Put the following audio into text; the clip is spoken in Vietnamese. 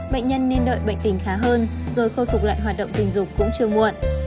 bệnh nhân nên đợi bệnh tình khá hơn rồi khôi phục lại hoạt động tình dục cũng chưa muộn